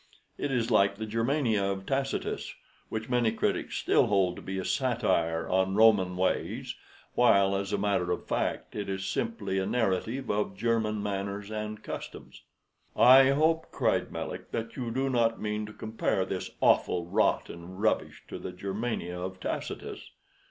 It is like the Germania of Tacitus, which many critics still hold to be a satire on Roman ways, while as a matter of fact it is simply a narrative of German manners and customs." "I hope," cried Melick, "that you do not mean to compare this awful rot and rubbish to the Germania of Tacitus?"